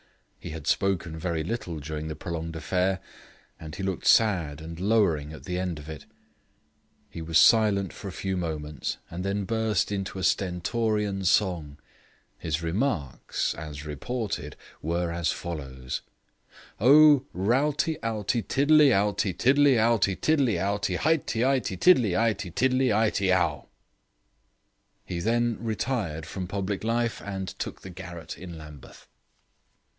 He had spoken very little during the prolonged affair, and he looked sad and lowering at the end of it. He was silent for a few moments, and then burst into a stentorian song. His remarks (as reported) were as follows: "O Rowty owty tiddly owty Tiddly owty tiddly owty Highty ighty tiddly ighty Tiddly ighty ow." He then retired from public life and took the garret in Lambeth.